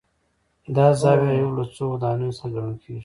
دا زاویه یو له څو ودانیو څخه ګڼل کېږي.